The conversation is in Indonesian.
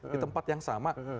di tempat yang sama